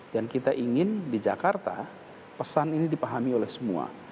dan kita ingin di jakarta pesan ini dipahami oleh semua